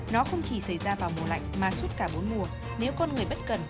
nó không chỉ xảy ra vào mùa lạnh mà suốt cả bốn mùa nếu con người bất cần